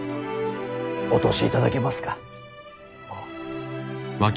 お通しいただけますか。